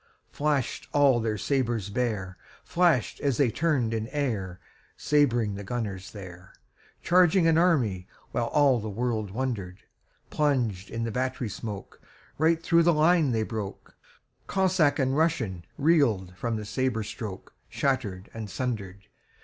Flash'd all their sabres bare, Flash'd as they turn'd in airSabring the gunners there, Charging an army, whileAll the world wonder'd:Plunged in the battery smokeRight thro' the line they broke; Cossack and RussianReel'd from the sabre strokeShatter'd and sunder'd.